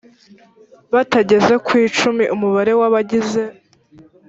batageze ku icumi umubare w abagize